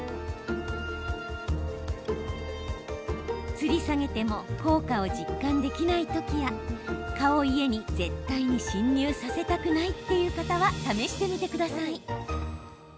つり下げても効果を実感できない時や蚊を家に絶対に侵入させたくないっていう方は試してみてください。